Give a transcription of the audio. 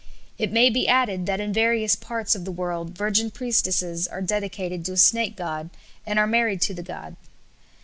It may be added that in various parts of the world virgin priestesses are dedicated to a snake god and are married to the god.